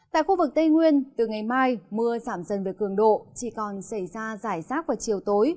tại khu vực tây nguyên từ ngày mai mưa giảm dần về cường độ chỉ còn xảy ra giải rác vào chiều tối